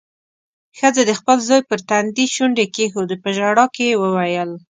ښځې د خپل زوی پر تندي شونډې کېښودې. په ژړا کې يې وويل: